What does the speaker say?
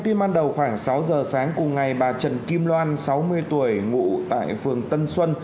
tin ban đầu khoảng sáu giờ sáng cùng ngày bà trần kim loan sáu mươi tuổi ngụ tại phường tân xuân